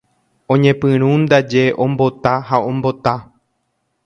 Oñepyrũndaje ombota ha ombota.